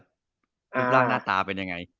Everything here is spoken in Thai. รูปร่างหน้าตาเป็นยังไง